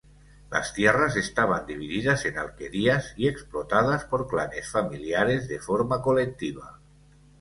Las tierras estaban divididas en alquerías y explotadas por clanes familiares de forma colectiva.